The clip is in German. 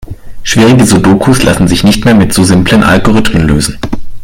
Schwierige Sudokus lassen sich nicht mehr mit so simplen Algorithmen lösen.